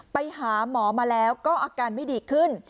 ไปหาหมอมาแล้วก็อาการไม่ดีขึ้น